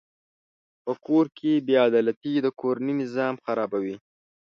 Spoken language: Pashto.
په کور کې بېعدالتي د کورنۍ نظام خرابوي.